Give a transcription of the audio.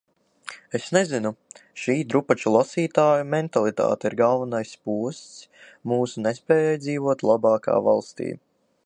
Es nezinu... šī drupaču lasītāju mentalitāte ir galvenais posts mūsu nespējai dzīvot labākā valstī.